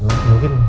kamu baru sadar